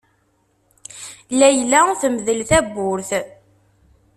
Layla temdel tawwurt.